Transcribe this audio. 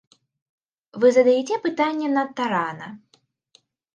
Вы задаеце пытанне надта рана.